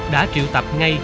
đã triệu tập ngay